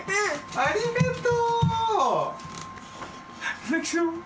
ありがとう。